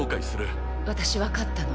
私分かったの。